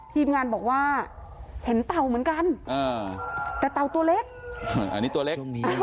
ทีมงานบอกว่าเห็นเต่าเหมือนกันแต่เต่าตัวเล็กอันนี้ตัวเล็ก